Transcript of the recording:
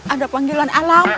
ada panggilan alam